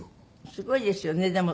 すごいですよねでも。